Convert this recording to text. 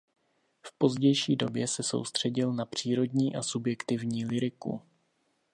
V pozdější době se soustředil na přírodní a subjektivní lyriku.